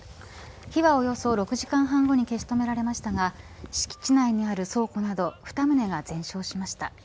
火はおよそ６時間半後に消し止められましたが敷地内にある倉庫など２棟が全焼しました。